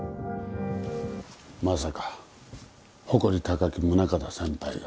まさか誇り高き宗形先輩が。